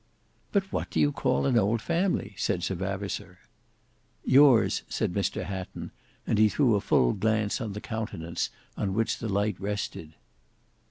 "But what do you call an old family?" said Sir Vavasour. "Yours," said Mr Hatton, and he threw a full glance on the countenance on which the light rested.